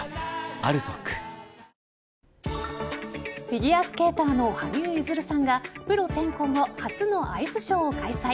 フィギュアスケーターの羽生結弦さんがプロ転向後初のアイスショーを開催。